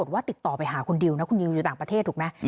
ว่าติดต่อไปหาคุณดิวนะคุณดิวอยู่ต่างประเทศถูกไหม